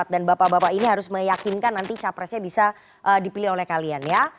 dan bapak bapak ini harus meyakinkan nanti capresnya bisa dipilih oleh kalian ya